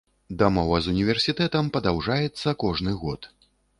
Дамова з універсітэтам падаўжаецца кожны год.